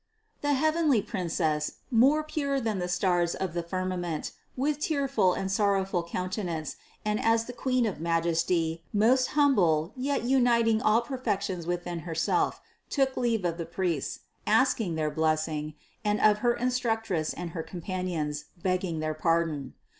758. The heavenly Princess, more pure than the stars of the firmament, with tearful and sorrowful counte nance and as the Queen of majesty, most humble yet uniting all perfections within Herself, took leave of the 578 CITY OF GOD priests, asking their blessing, and of her instructress and her companions, begging their pardon.